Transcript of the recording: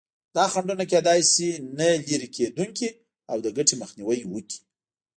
دا خنډونه کېدای شي نه لرې کېدونکي او د ګټې مخنیوی وکړي.